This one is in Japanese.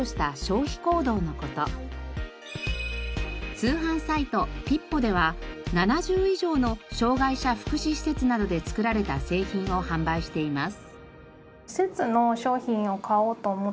通販サイトＰＩＰＰＯでは７０以上の障がい者福祉施設などで作られた製品を販売しています。